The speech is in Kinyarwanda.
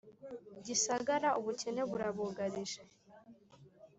Gisagara ubukene burabugarije